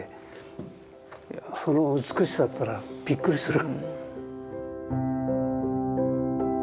その美しさといったらびっくりする。